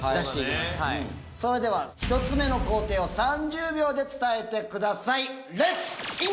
それでは１つ目の工程を３０秒で伝えてください。